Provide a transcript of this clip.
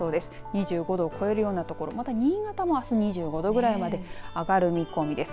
２５度を超えるような所また新潟もあす２５度くらいまで上がる見込みです。